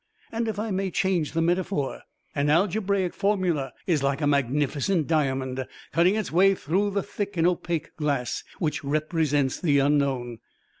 And if I may change the metaphor, an algebraic formula is like a magnificent diamond, cutting its way through the thick and opaque glass, which represents the unknown!